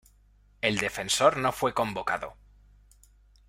El defensor no fue convocado.